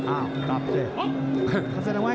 อ้าวกลับสิ